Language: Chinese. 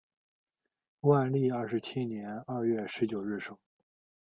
万历二十七年二月十九日生。